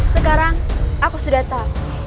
sekarang aku sudah tahu